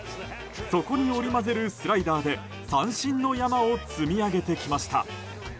そこに織り交ぜるスライダーで三振の山を積み上げてきました。